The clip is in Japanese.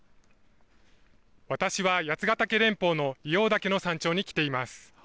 私は八ヶ岳連峰の硫黄岳の山頂に来ています。